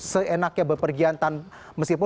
seenaknya berpergiantan meskipun